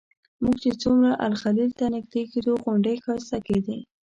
موږ چې څومره الخلیل ته نږدې کېدو غونډۍ ښایسته کېدې.